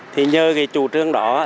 thì nhờ cái chủ trương đó